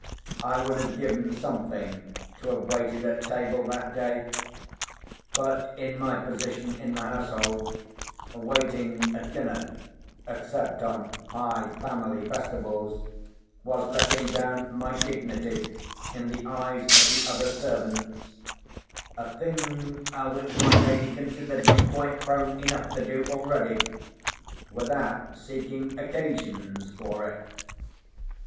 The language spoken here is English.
I would have given something to have waited at table that day. But, in my position in the household, waiting at dinner (except on high family festivals) was letting down my dignity in the eyes of the other servants—a thing which my lady considered me quite prone enough to do already, without seeking occasions for it.